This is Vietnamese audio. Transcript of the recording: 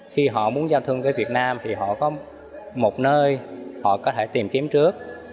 khi họ muốn giao thương với việt nam thì họ có một nơi họ có thể tìm kiếm trước